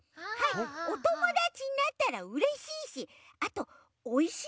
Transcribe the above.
おともだちになったらうれしいしあとおいしいですしね。